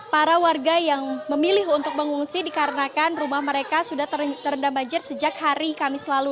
para warga yang memilih untuk mengungsi dikarenakan rumah mereka sudah terendam banjir sejak hari kamis lalu